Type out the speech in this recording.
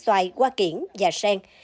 xoài qua kiển và sen